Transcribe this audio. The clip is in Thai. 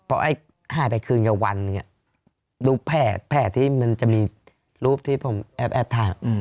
เพราะให้หายไปคืนกับวันรูปแพทย์แพทย์ที่มันจะมีรูปที่ผมแอบทาง